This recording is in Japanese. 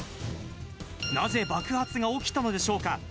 なぜ爆発が起きたのでしょうか。